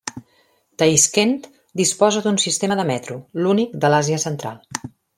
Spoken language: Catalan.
Taixkent disposa d'un sistema de metro, l'únic de l'Àsia central.